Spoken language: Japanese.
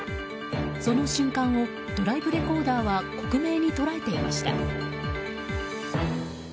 その瞬間をドライブレコーダーは克明に捉えていました。